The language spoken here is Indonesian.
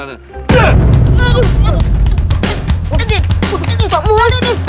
pak musik kempal lagi nih